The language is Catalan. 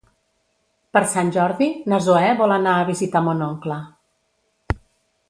Per Sant Jordi na Zoè vol anar a visitar mon oncle.